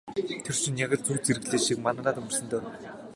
Тэр шөнө яг л зүүд зэрэглээ шиг манараад өнгөрсөн дөө.